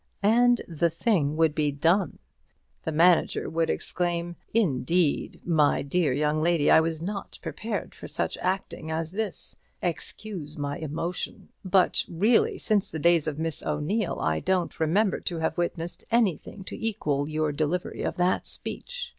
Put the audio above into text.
and the thing would be done. The manager would exclaim, "Indeed, my dear young lady, I was not prepared for such acting as this. Excuse my emotion; but really, since the days of Miss O'Neil, I don't remember to have witnessed anything to equal your delivery of that speech.